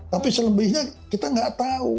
tapi selebihnya kita nggak tahu